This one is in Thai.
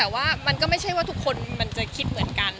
แต่ว่ามันก็ไม่ใช่ว่าทุกคนมันจะคิดเหมือนกัน